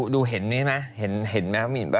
ดูเห็นไหม